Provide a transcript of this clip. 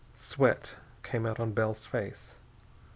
Sweat came out on Bell's face.